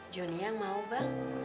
jonny yang mau bang